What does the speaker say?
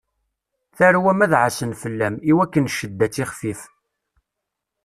Tarwa-m ad ɛassen fell-am, i wakken cedda ad tixfif.